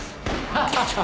ハハハハ。